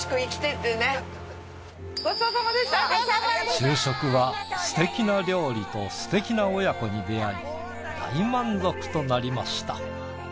昼食はすてきな料理とすてきな親子に出会い大満足となりました。